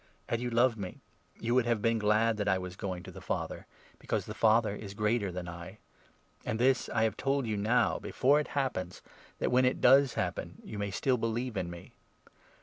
Had you loved me, you would have been glad that I was going to the Father, because the Father is greater than I. And this I have 29 told you now before it happens, that, when it does happen, you may still believe in me.